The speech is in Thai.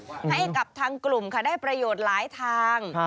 ให้กับทางกลุ่มค่ะได้ประโยชน์หลายทาง